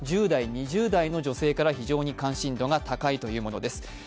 １０代、２０代の女性から非常に関心度が高いというものです。